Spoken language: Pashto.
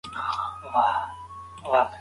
که نیت پاک وي نو منزل اسانه دی.